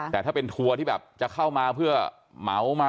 แต่ถ้าเป็นทัวร์ที่แบบจะเข้ามาเพื่อเหมามา